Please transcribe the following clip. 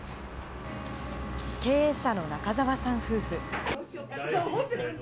経営者の中沢さん夫婦。